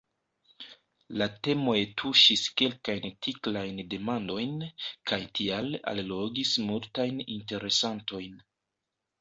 La temoj tuŝis kelkajn tiklajn demandojn, kaj tial allogis multajn interesantojn.